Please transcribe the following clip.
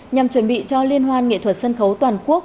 nhằm chuẩn bị cho liên hoan nghệ thuật sân khấu toàn quốc